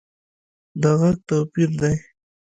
د غږ توپیر دی